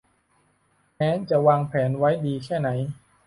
แม้จะวางแผนไว้ดีแค่ไหน